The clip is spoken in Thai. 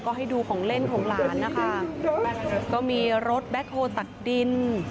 ก็ให้ดูของเล่นของหลานนะคะก็มีรถแบ็คโฮลตักดิน